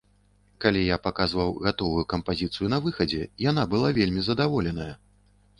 Калі я паказваў гатовую кампазіцыю на выхадзе, яна была вельмі задаволеная.